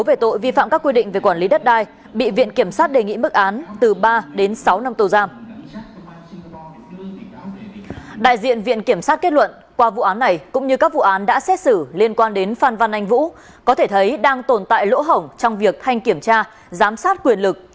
đại diện viện kiểm sát kết luận qua vụ án này cũng như các vụ án đã xét xử liên quan đến phan văn anh vũ có thể thấy đang tồn tại lỗ hổng trong việc thanh kiểm tra giám sát quyền lực